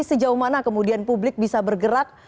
sejauh mana kemudian publik bisa bergerak